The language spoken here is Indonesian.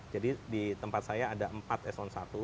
jadi di tempat saya ada empat s sebelas